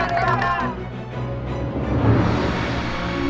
dua tahun ke depan